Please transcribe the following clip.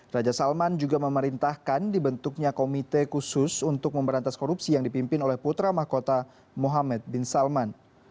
raja salman juga memerintahkan dibentuknya komite khusus untuk memberantas korupsi yang dipimpin oleh putra mahkota mohamed bin salman